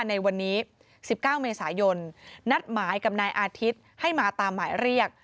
ในวันนี้๑๙เมษายนนัดหมายกับนายอาทิตย์ให้มาตามหมายเรียก